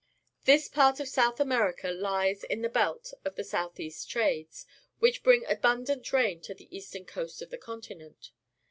This part of South America Hes in the belt of the south east trades, which bring abmidant rain to the eastern coast of the continent.